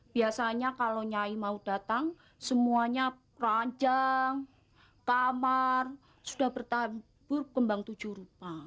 biasanya kalau nyai mau datang semuanya peranjang kamar sudah bertambur kembang tujuh rupa